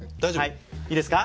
はいいいですか？